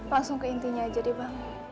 langsung ke intinya aja deh bang